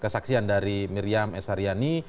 kesaksian dari miriam esaryani